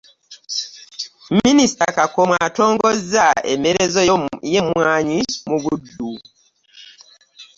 Minisita Kakomo atongozza emmerezo y'emmwanyi mu Buddu.